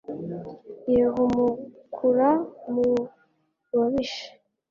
yeh'umukura mu babisha